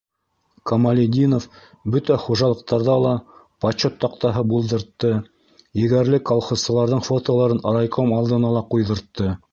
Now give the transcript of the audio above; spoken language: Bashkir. Камалетдинов бөтә хужалыҡтарҙа ла «Почет таҡтаһы» булдыртты, егәрле колхозсыларҙың фотоларын райком алдына ла ҡуйҙыртты.